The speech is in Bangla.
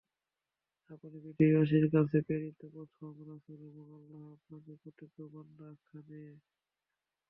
আপনি পৃথিবীবাসীর কাছে প্রেরিত প্রথম রাসূল এবং আল্লাহ আপনাকে কৃতজ্ঞ বান্দা আখ্যা দিয়েছেন।